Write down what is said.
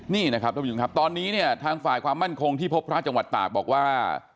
นี่นะครับตอนนี้เนี่ยทางฝ่ายความมั่นคงที่พบพระจังหวัดตากบอกว่า